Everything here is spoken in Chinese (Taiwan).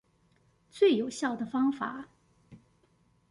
最有效的方法